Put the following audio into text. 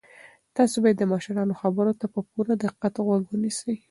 تاسو باید د مشرانو خبرو ته په پوره دقت غوږ ونیسئ.